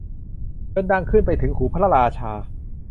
จนดังขึ้นไปถึงหูพระราชา